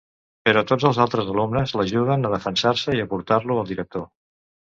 Però tots els altres alumnes l'ajuden a defensar-se i a portar-lo al director.